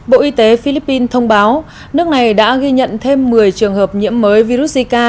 bộ y tế philippines thông báo nước này đã ghi nhận thêm một mươi trường hợp nhiễm mới virus zika